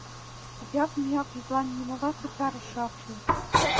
— Ӱяк-мӱяк йӱдлан нимогай кусарыше ок кӱл.